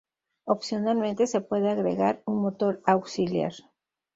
Opcionalmente se puede agregar un motor auxiliar.